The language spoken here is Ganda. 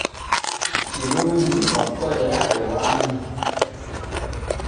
Kirungi okukolera awamu.